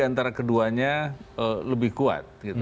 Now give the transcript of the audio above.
antara keduanya lebih kuat